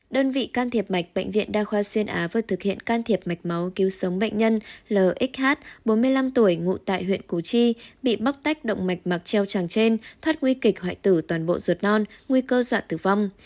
đơn vị can thiệp mạch bệnh viện đa khoa xuyên á vừa thực hiện can thiệp mạch máu cứu sống bệnh nhân lxh bốn mươi năm tuổi ngụ tại huyện củ chi bị bóc tách động mạch mặc treo tràng trên thoát nguy kịch hoại tử toàn bộ ruột non nguy cơ dọa tử vong